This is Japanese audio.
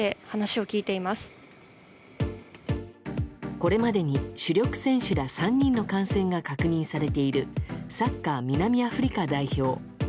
これまでに主力選手ら３人の感染が確認されているサッカー南アフリカ代表。